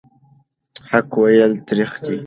حق ویل تریخ دي.